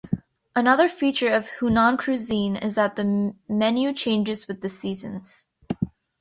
Another feature of Hunan cuisine is that the menu changes with the seasons.